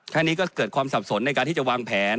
ทั้งนี้ก็เกิดความสับสนในการที่จะวางแผน